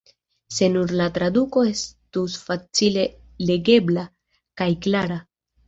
Se nur la traduko estus facile legebla kaj klara.